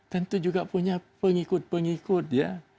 tentu juga punya pengikut pengikut ya